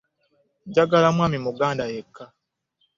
Njagala mwami muganda yekka.